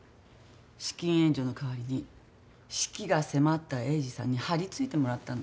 資金援助の代わりに死期が迫った栄治さんにはりついてもらったの。